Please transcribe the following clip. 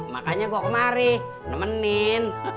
makanya gua kemari nemenin